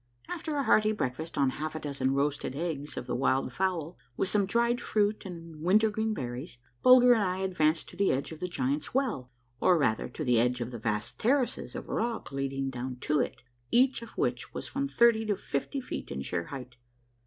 After a hearty breakfast on half a dozen roasted eggs of the wild fowl, with some dried fruit and wintergreen berries, Bulger and I advanced to the edge of the Giants' Well, or, rather, to the edge of the vast terraces of rock leading down to it, each of which was from thirty to fifty feet in sheer height.